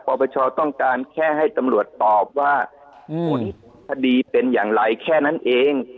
ปปชต้องการแค่ให้ตำรวจตอบว่าผลคดีเป็นอย่างไรแค่นั้นเอง